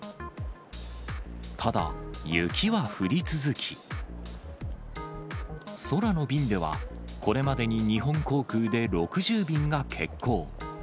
ただ、雪は降り続き、空の便では、これまでに日本航空で６０便が欠航。